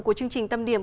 của chương trình tâm điểm